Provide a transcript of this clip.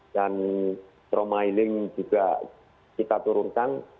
dan trauma healing juga kita turunkan